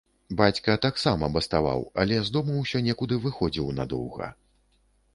Бацька таксама баставаў, але з дому ўсё некуды выходзіў надоўга.